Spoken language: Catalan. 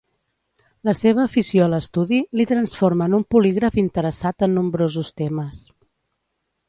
La seva afició a l'estudi li transforma en un polígraf interessat en nombrosos temes.